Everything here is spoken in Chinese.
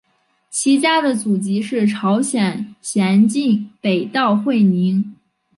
其家的祖籍是朝鲜咸镜北道会宁。